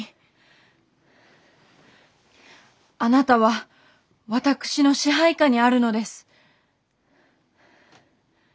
あなたは私の支配下にあるのです。